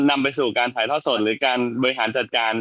นำไปสู่การถ่ายทอดสดหรือการบริหารจัดการ